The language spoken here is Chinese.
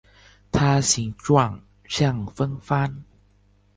它形状像风帆。